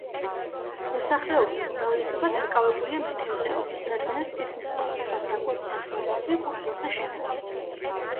მოსახლეობის უმრავლესობა დაკავებულია მეთევზეობით, რადგანაც თითქმის ყველა სხვა საკვები საშუალებები კუნძულზე შემოაქვთ.